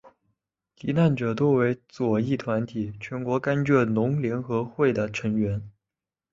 罹难者多为左翼团体全国甘蔗农联合会的成员。